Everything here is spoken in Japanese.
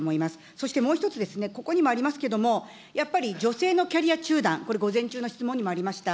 そしてもう一つですね、ここにもありますけれども、やっぱり女性のキャリア中断、これ、午前中の質問にもありました。